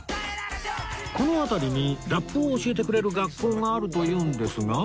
この辺りにラップを教えてくれる学校があるというんですが